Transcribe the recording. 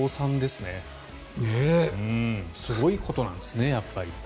すごいことなんですねやっぱり。